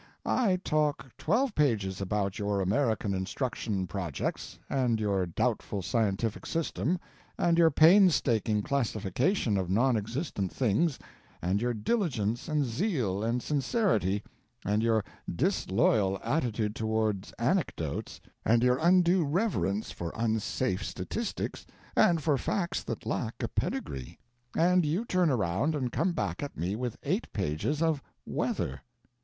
I talk twelve pages about your American instruction projects, and your doubtful scientific system, and your painstaking classification of nonexistent things, and your diligence and zeal and sincerity, and your disloyal attitude towards anecdotes, and your undue reverence for unsafe statistics and for facts that lack a pedigree; and you turn around and come back at me with eight pages of weather.